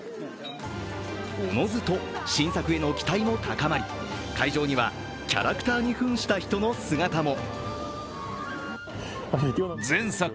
おのずと新作への期待も高まり会場にはキャラクターに扮した人の姿も。